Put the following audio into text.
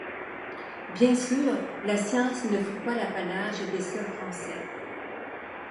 Bien sûr, la Science ne fut pas l'apanage des seuls Français.